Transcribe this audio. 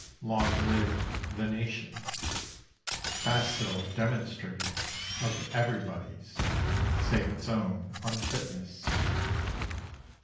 Long live "The Nation," facile demonstrator Of everybody's save its own unfitness!